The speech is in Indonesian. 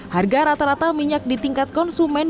harga rata rata minyak di tingkat konsumen